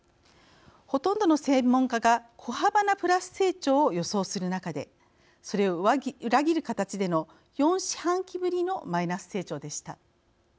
ほとんどの専門家が小幅なプラス成長を予想する中でそれを裏切る形での４四半期ぶりのマイナス成長でした。